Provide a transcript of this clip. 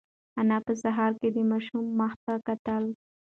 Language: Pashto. انا په سهار کې د ماشوم مخ ته کتل.